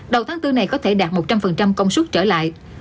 đầu tháng bốn này có thể đạt một trăm linh công suất trở lại